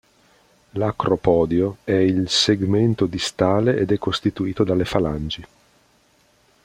L'acropodio è il segmento distale ed è costituito dalle falangi.